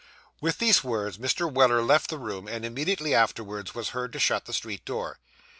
With these words Mr. Weller left the room, and immediately afterwards was heard to shut the street door.